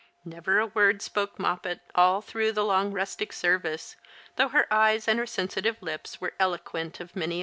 Never a word spoke Moppet all through the long rustic service, though her eyes and her sensitive lips were eloquent of many 124 The Christmas Hirelings.